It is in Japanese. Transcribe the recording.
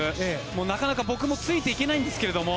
なかなか僕もついていけないんですけれども。